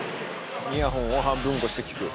イヤホンを半分こして聴く。